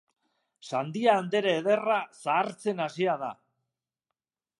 Sandia andere ederra zahartzen hasia da.